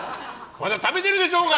まだ食べてるでしょうが！